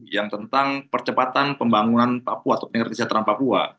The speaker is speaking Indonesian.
yang tentang percepatan pembangunan papua atau penyelenggara kesejahteraan papua